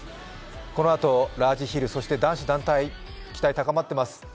このあとラージヒル、そして男子団体、期待高まっています。